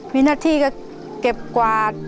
มีหน้าที่ก็เก็บกวาด